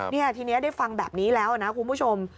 นี่ทีนี้ได้ฟังแบบนี้แล้วนะคุณผู้ชม